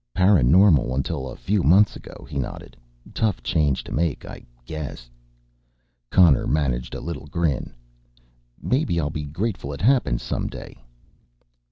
"ParaNormal until a few months ago," he nodded. "Tough change to make, I guess." Connor managed a little grin. "Maybe I'll be grateful it happened some day."